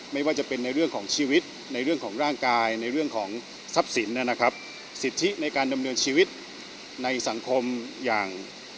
ไม่ว่าจะเป็นในเรื่องของชีวิตในเรื่องของร่างกายในเรื่องของทรัพย์สิน